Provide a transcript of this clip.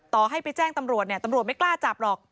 ต่อให้ไปแจ้งตำรวจเนี่ยตำรวจไม่กล้าจับหรอก